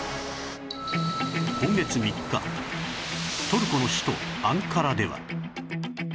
今月３日トルコの首都アンカラでは